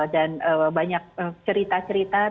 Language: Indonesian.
dan banyak cerita cerita tentunya